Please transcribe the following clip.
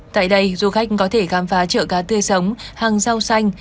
tại đây du khách có thể khám phá chợ cá tươi sống hàng rau xanh